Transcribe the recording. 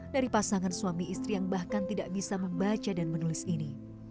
dari pasangan suami istri yang bahkan tidak bisa membaca dan menulis ini